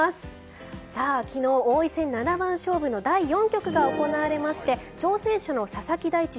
昨日、王位戦七番勝負の第４局が行われまして挑戦者の佐々木大地